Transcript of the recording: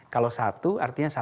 kalau di bawah satu artinya